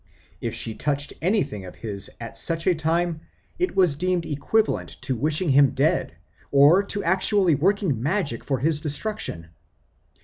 If she touched anything of his at such a time it was deemed equivalent to wishing him dead or to actually working magic for his destruction.